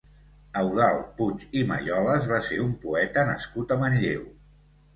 Eudald Puig i Mayolas va ser un poeta nascut a Manlleu.